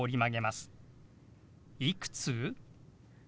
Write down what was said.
「いくつ？」。